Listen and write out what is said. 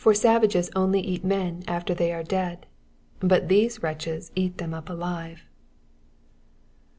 407 savages only eat men after they are dead, but these wretches eat them up alive.